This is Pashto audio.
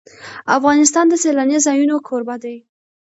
افغانستان د سیلانی ځایونه کوربه دی.